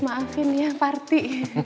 maafin ya parti